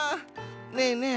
ねえねえ